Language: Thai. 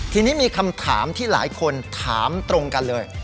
ทีนี้มีคำถามที่หลายคนถามตรงกันเลย